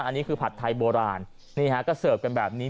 อันนี้คือผัดไทยโบราณนี่ฮะก็เสิร์ฟกันแบบนี้